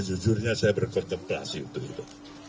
sejujurnya saya berkontemplasi untuk itu